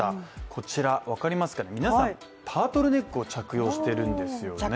こちら、分かりますか、皆さんタートルネックを着用してるんですよね。